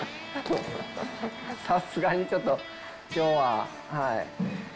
さすがにちょっと、きょうは、はい。